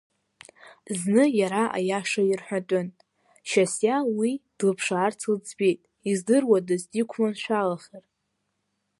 Зны иара аиаша ирҳәатәын, Шьасиа уи длыԥшаарц лӡбеит, издыруадаз диқәманшәалахар.